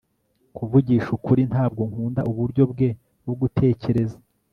kuvugisha ukuri, ntabwo nkunda uburyo bwe bwo gutekereza